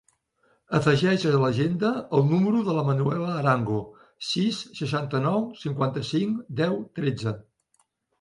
Afegeix a l'agenda el número de la Manuela Arango: sis, seixanta-nou, cinquanta-cinc, deu, tretze.